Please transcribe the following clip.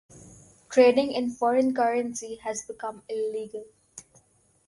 Trading in foreign currency has become illegal.